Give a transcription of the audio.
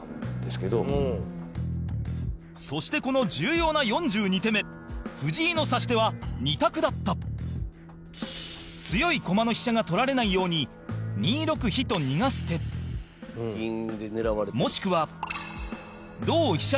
そして、この重要な４２手目藤井の指し手は２択だった強い駒の飛車が取られないように２六飛と逃がす手もしくは同飛車